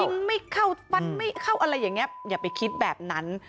ยิงไม่เข้าฟันไม่เข้าอะไรอย่างนี้อย่าไปคิดแบบนั้น